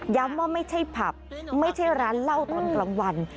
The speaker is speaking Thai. ว่าไม่ใช่ผับไม่ใช่ร้านเหล้าตอนกลางวัน